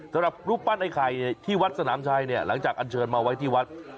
สำหรับรูปปั้นไอ้ไข่ที่วัดสนามชายหลังจากอันเชิญมาไว้ที่วัด